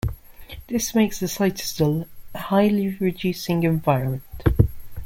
This makes the cytosol a highly-reducing environment.